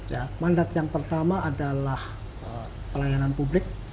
ya mandat yang pertama adalah pelayanan publik